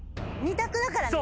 ２択だからね